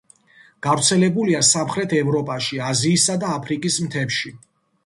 გავრცელებულია სამხრეთ ევროპაში, აზიისა და აფრიკის მთებში.